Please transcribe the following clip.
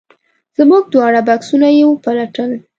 زموږ دواړه بکسونه یې وپلټل.